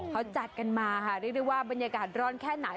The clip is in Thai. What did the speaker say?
เขาจัดกันมาค่ะเรียกได้ว่าบรรยากาศร้อนแค่ไหน